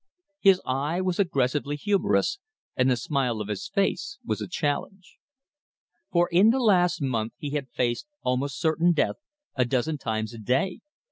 His eye was aggressively humorous, and the smile of his face was a challenge. For in the last month he had faced almost certain death a dozen times a day.